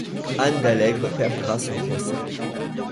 Anne d'Alègre perdra son procès.